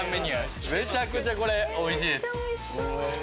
めちゃくちゃこれおいしいです。